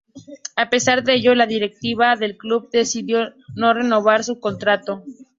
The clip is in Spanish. A pesar de ello, la directiva del club decidió no renovar su contrato.